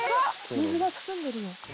水が包んでるよ。